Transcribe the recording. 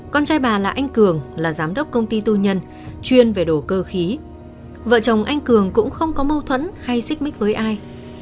con trai bà là anh cường là giám đốc công ty tư nhân chuyên về đồ cơ khí vợ chồng anh cường cũng không có mâu thuẫn hay xích mích với ai